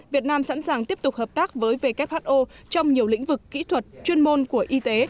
việt nam sẵn sàng tiếp tục hợp tác với who trong nhiều lĩnh vực kỹ thuật chuyên môn của y tế